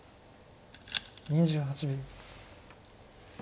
２８秒。